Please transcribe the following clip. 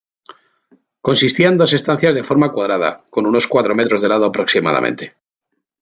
Consistía en dos estancias de forma cuadrada, con unos cuatro metros de lado aproximadamente.